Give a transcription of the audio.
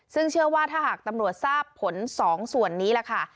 ซึ่งเชื่อว่าถ้าหากตำรวจทราบผล๒ส่วนนี้ล่ะค่ะ